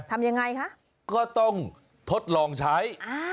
ทำยังไงคะก็ต้องทดลองใช้